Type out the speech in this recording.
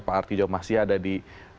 pak arti jok masih ada di